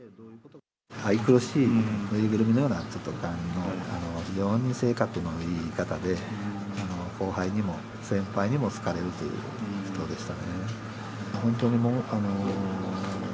愛くるしい、縫いぐるみのようなちょっと感じの、非常に性格のいい方で、後輩にも先輩にも好かれるという人でしたね。